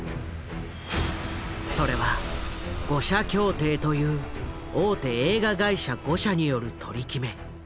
それは「五社協定」という大手映画会社５社による取り決め。